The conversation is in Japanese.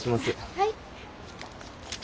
はい。